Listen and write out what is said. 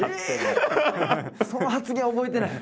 その発言覚えてない？